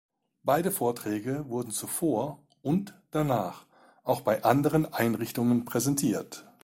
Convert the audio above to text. Beide Vorträge wurden zuvor und danach auch bei anderen Einrichtungen präsentiert.